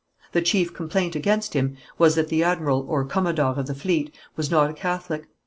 The chief complaint against him was that the admiral or commodore of the fleet was not a Catholic.